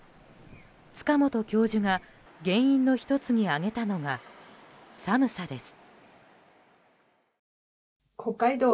塚本教授が、原因の１つに挙げたのが寒さです。